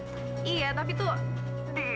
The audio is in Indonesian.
perbintangan aku tuh simpel banget kok